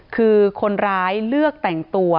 คือคนร้ายเลือกแต่งตัว